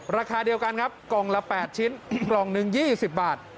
ราคาเดียวกันครับกล่องละ๘ชิ้นกล่องหนึ่ง๒๐บาท